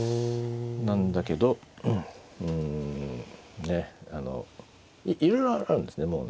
なんだけどうんねいろいろあるんですね